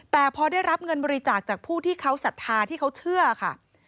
แต่พอได้รับเงินบริจาคจากผู้ที่เขาศรัทธาที่เขาเชื่อค่ะ